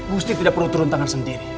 gusti tidak perlu turun tangan sendiri